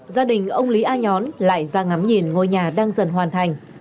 gia đình ông lý a nhóm lại ra ngắm nhìn ngôi nhà đang dần hoàn thành